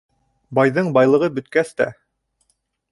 Байҙың байлығы бөткәс тә